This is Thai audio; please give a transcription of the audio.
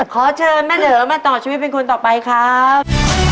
ขอเชิญแม่เหลือมาต่อชีวิตเป็นคนต่อไปครับ